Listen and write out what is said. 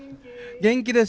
元気です。